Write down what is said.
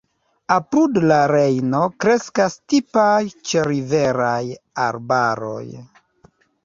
Apud la Rejno kreskas tipaj ĉeriveraj arbaroj.